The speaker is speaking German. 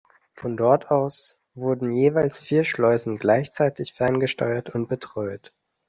Von dort aus wurden jeweils vier Schleusen gleichzeitig ferngesteuert und betreut.